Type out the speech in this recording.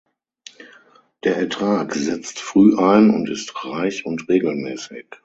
Der Ertrag setzt früh ein und ist reich und regelmäßig.